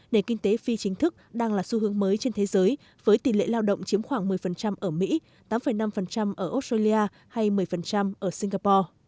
nền kinh tế phi chính thức đang là xu hướng mới trên thế giới với tỷ lệ lao động chiếm khoảng một mươi ở mỹ tám năm ở australia hay một mươi ở singapore